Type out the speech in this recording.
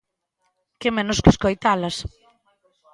Que menos que escoitalas.